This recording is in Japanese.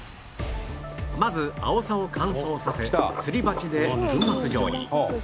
まずアオサを乾燥させすり鉢で粉末状に